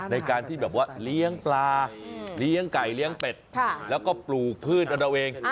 ในการที่แบบว่าเลี้ยงปลาเลี้ยงไก่เลี้ยงเป็ดแล้วก็ปลูกพืชกันเอาเอง